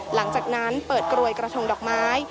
หลังจากนั้นเปิดกรวยกระทงดอกไม้